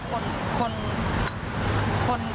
เขาก็ไม่ได้มีอะไรนะโต่นแรกพี่เค้าบอกว่ามารักคน